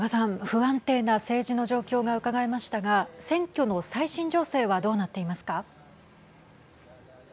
不安定な政治の状況がうかがえましたが選挙の最新情勢はどうなっていますか。